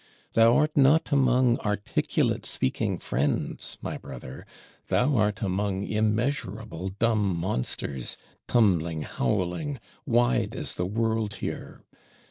Thou art not among articulate speaking friends, my brother; thou art among immeasurable dumb monsters, tumbling, howling, wide as the world here.